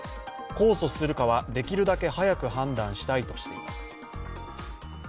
控訴するかはできるだけ早く判断したいとしています。